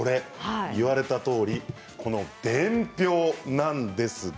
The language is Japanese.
言われたとおり伝票です。